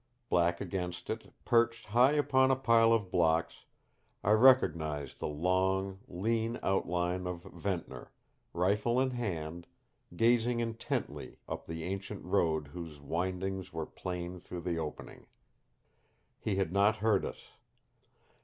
Black against it, perched high upon a pile of blocks, I recognized the long, lean outline of Ventnor, rifle in hand, gazing intently up the ancient road whose windings were plain through the opening. He had not heard us.